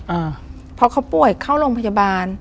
อ่าเพราะเขาป่วยเข้าโรงพยาบาล